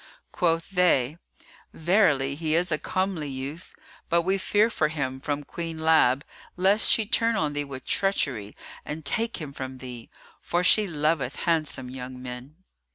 Quoth they, "Verily, he is a comely youth; but we fear for him from Queen Lab, lest she turn on thee with treachery and take him from thee, for she loveth handsome young men."